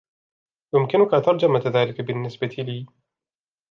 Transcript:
يمكنك ترجمة ذلك بالنسبة لي؟